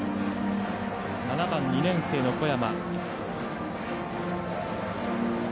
７番、２年生の小山。